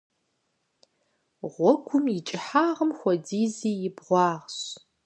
Гъуэгум и кӀыхьагъым хуэдизи и бгъуагъщ.